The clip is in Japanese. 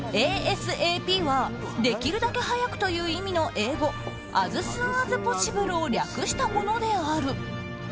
ＡＳＡＰはできるだけ早くという意味の英語アズスーンアズポッシブルを略したものである。